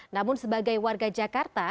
namun sebagai warga jakarta